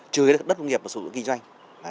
trừ đất nông nghiệp và sự kinh doanh